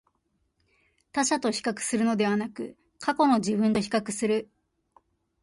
他者と比較するのではなく、過去の自分と比較する